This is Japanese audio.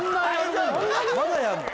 まだやんの？